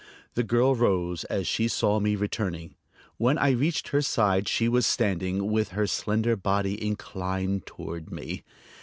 The girl rose as she saw me returning. When I reached her side she was standing with her slender body inclined toward me.